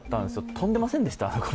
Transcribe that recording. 跳んでませんでした？